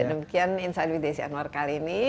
demikian insight with desi anwar kali ini